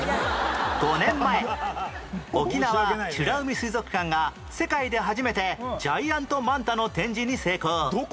５年前沖縄美ら海水族館が世界で初めてジャイアントマンタの展示に成功